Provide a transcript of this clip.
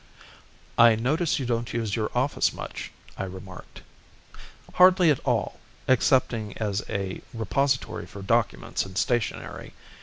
"I notice you don't use your office much," I remarked. "Hardly at all, excepting as a repository for documents and stationery.